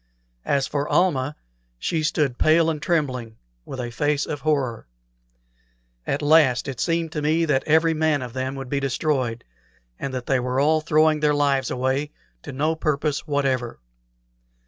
As for Almah, she stood pale and trembling, with a face of horror. At last it seemed to me that every man of them would be destroyed, and that they were all throwing their lives away to no purpose whatever.